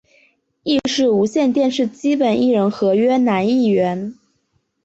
亦是无线电视基本艺人合约男艺员。